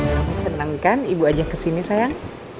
kamu seneng kan ibu ajak kesini sayang